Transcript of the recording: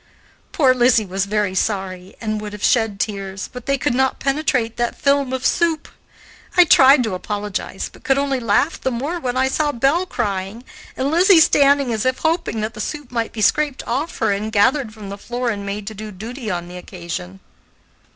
Poor Lizzie was very sorry, and would have shed tears, but they could not penetrate that film of soup. I tried to apologize, but could only laugh the more when I saw Belle crying and Lizzie standing as if hoping that the soup might be scraped off her and gathered from the floor and made to do duty on the occasion.